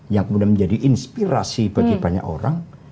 yang kemudian menjadi inspirasi bagi banyak orang